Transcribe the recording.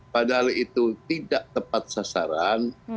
padahal itu tidak tepat sasaran